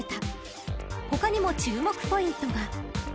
［他にも注目ポイントが］